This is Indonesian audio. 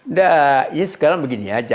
nah ini sekarang begini aja